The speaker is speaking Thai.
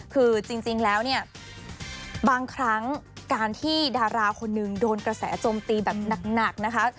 คือจริงแล้วเนี่ยบางครั้งการที่ดาราคนนึงโดนกระแสโจมตีแบบหนักนะคะ